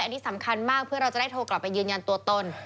อันนี้สำคัญมากเพื่อเราจะได้โทรกลับไปยืนยันตัวตน